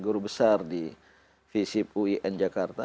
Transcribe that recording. guru besar di v ship uin jakarta